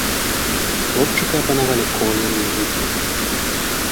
Хлопчыка апанавалі колеры і гукі.